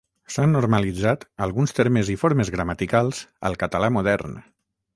S’han normalitzat alguns termes i formes gramaticals al català modern.